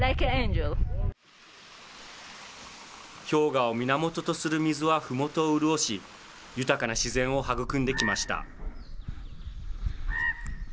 氷河を源とする水はふもとを潤し、豊かな自然を育んできました。